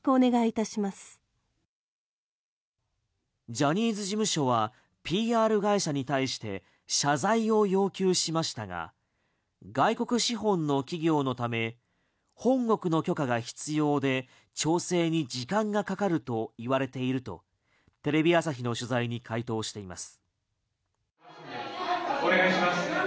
ジャニーズ事務所はＰＲ会社に対して謝罪を要求しましたが外国資本の企業のため本国の許可が必要で調整に時間がかかると言われているとテレビ朝日の取材に回答しています。